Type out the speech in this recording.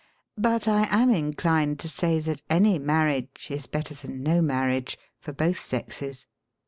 But I am inclined to say that any marriage is better than no marriage — for both sexes.